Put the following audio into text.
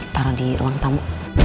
taruh di ruang tamu